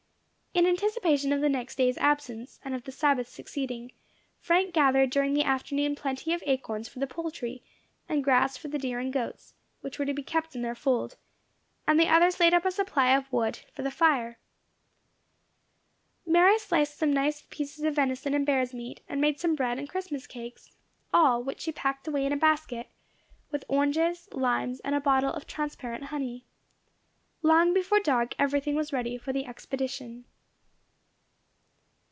In anticipation of the next day's absence, and of the Sabbath succeeding, Frank gathered during the afternoon plenty of acorns for the poultry, and grass for the deer and goats, which were to be kept in their fold; and the others laid up a supply of wood for the fire. Mary sliced some nice pieces of venison and bear's meat, and made some bread and Christmas cakes; all, which she packed away in a basket, with oranges, limes, and a bottle of transparent honey. Long before dark everything was ready for the expedition.